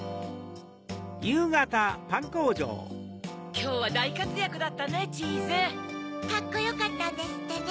・きょうはだいかつやくだったねチーズ・カッコよかったんですってね。